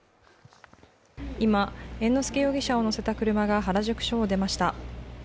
今、猿之助容疑者を乗せた車が原宿署を出ました。